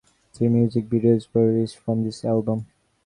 Three music videos were released from this album.